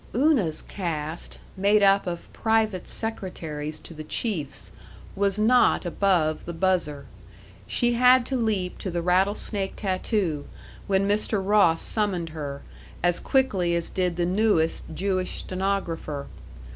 Una's caste, made up of private secretaries to the chiefs, was not above the buzzer. She had to leap to the rattlesnake tattoo, when Mr. Ross summoned her, as quickly as did the newest Jewish stenographer.